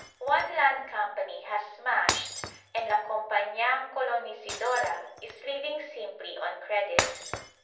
One land company has smashed, and La Compañía Colonisidora is living simply on credit.